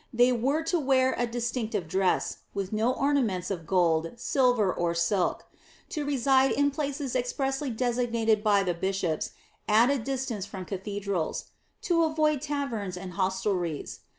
They were to wear a distinctive dress, with no ornaments of gold, silver, or silk; to reside in places expressly designated by the bishops, at a distance from cathedrals; to avoid taverns and hostelries.